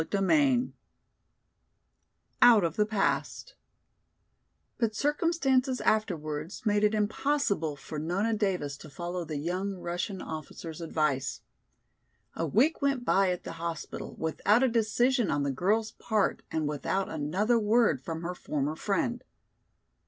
CHAPTER V Out of the Past But circumstances afterwards made it impossible for Nona Davis to follow the young Russian officer's advice. A week went by at the hospital without a decision on the girl's part and without another word from her former friend.